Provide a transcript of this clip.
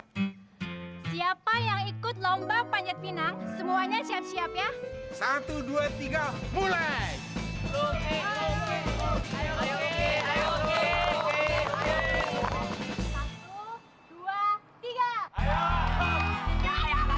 hai siapa yang ikut lomba panjat pinang semuanya siap siap ya satu ratus dua puluh tiga mulai